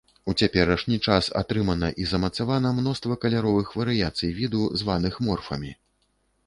У цяперашні час атрымана і замацавана мноства каляровых варыяцый віду, званых морфамі.